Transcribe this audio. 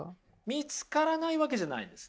見つからないわけじゃないんですね。